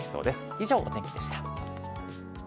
以上、お天気でした。